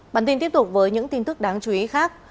bản tin tiếp tục với những tin tức đáng chú ý khác